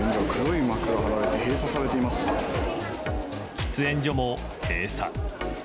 喫煙所も閉鎖。